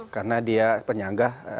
karena dia penyangga